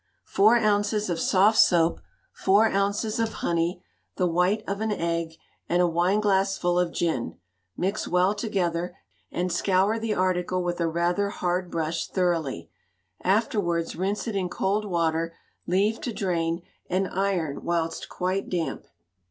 Four ounces of soft soap, four ounces of honey, the white of an egg, and a wineglassful of gin; mix well together, and scour the article with a rather hard brush thoroughly; afterwards rinse it in cold water, leave to drain, and iron whilst quite damp.